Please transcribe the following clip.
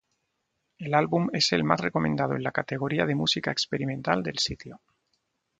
El álbum es el más recomendado en la categoría de música experimental del sitio.